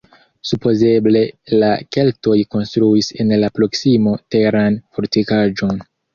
Supozeble la keltoj konstruis en la proksimo teran fortikaĵon.